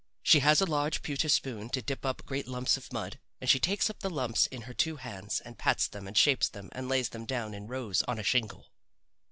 She has a large pewter spoon to dip up great lumps of mud, and she takes up the lumps in her two hands and pats them and shapes them and lays them down in rows on a shingle.